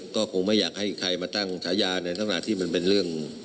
ก็คงไม่อยากให้ใครมาตั้งฉายาในลักษณะที่มันเป็นเรื่อง